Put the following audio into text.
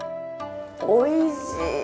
おいしいー！